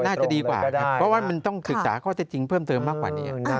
น่าจะดีกว่าครับเพราะว่ามันต้องศึกษาข้อเท็จจริงเพิ่มเติมมากกว่านี้